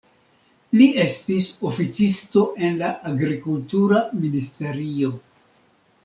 Li estis oficisto en la agrikultura ministerio.